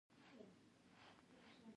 ازادي راډیو د ورزش حالت ته رسېدلي پام کړی.